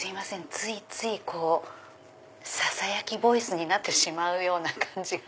ついついささやきボイスになってしまうような感じが。